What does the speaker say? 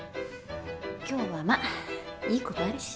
今日はまあ良いことあるし。